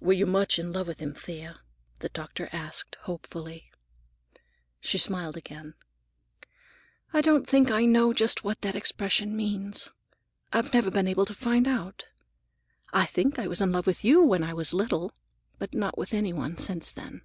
"Were you much in love with him, Thea?" the doctor asked hopefully. She smiled again. "I don't think I know just what that expression means. I've never been able to find out. I think I was in love with you when I was little, but not with any one since then.